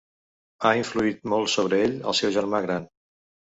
Ha influït molt sobre ell el seu germà gran.